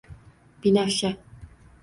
Binafsha…